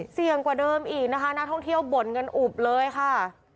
เสี่ยงกว่าเดิมอีกนะคะนักท่องเที่ยวบ่นกันอุบเลยค่ะ